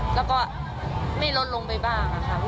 แล้วก็ไม่ลดลงไปบ้างค่ะ